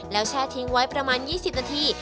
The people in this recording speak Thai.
แล้วแช่ทิ้งไว้ประมาณ๒๐นาที